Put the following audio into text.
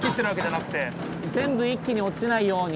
全部一気に落ちないように。